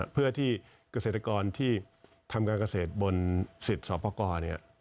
เพื่อที่เกษตรกรที่ทำการเกษตรบนสิทธิ์สอบประกอบเนี่ย